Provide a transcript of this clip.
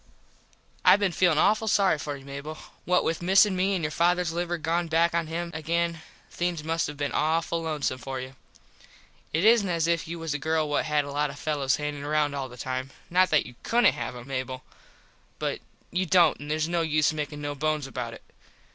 I been feelin awful sorry for you, Mable. What with missin me and your fathers liver gone back on him again things must have been awful lonesome for you. It isnt as if you was a girl what had a lot of fellos hangin round all the time. Not that you couldnt have em, Mable, but you dont an theres no use makin no bones about it.